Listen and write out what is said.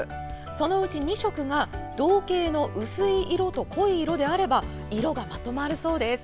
そのうち２色が同系の薄い色と濃い色であれば色がまとまるそうです。